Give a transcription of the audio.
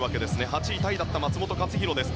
８位タイだった松元克央です。